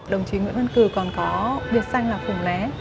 đồng chí nguyễn văn cử còn có biệt danh là phùng lé